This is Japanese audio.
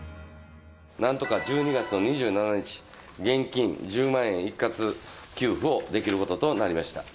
なんとか１２月の２７日、現金１０万円一括給付をできることとなりました。